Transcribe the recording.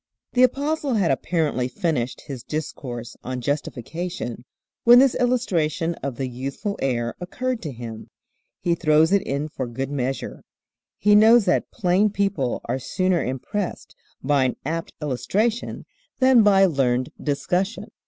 THE Apostle had apparently finished his discourse on justification when this illustration of the youthful heir occurred to him. He throws it in for good measure. He knows that plain people are sooner impressed by an apt illustration than by learned discussion.